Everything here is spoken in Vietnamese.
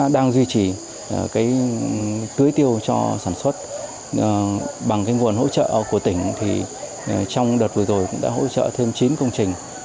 đang duy trì cưới tiêu cho sản xuất bằng nguồn hỗ trợ của tỉnh thì trong đợt vừa rồi cũng đã hỗ trợ thêm chín công trình